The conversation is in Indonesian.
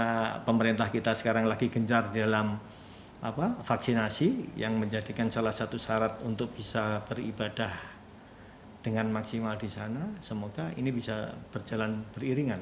karena pemerintah kita sekarang lagi gencar dalam vaksinasi yang menjadikan salah satu syarat untuk bisa beribadah dengan maksimal di sana semoga ini bisa berjalan beriringan